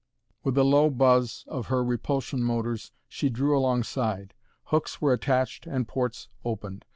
With a low buzz of her repulsion motors she drew alongside. Hooks were attached and ports opened.